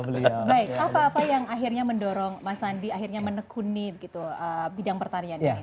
baik apa apa yang akhirnya mendorong mas sandi akhirnya menekuni gitu bidang pertaniannya